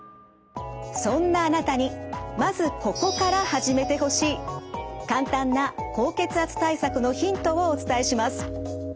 そんなあなたにまずここから始めてほしい簡単な高血圧対策のヒントをお伝えします。